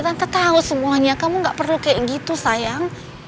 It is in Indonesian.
tante tahu semuanya kamu gak perlu kayak gitu sayang